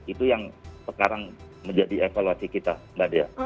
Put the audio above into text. itu yang sekarang menjadi evaluasi kita mbak dea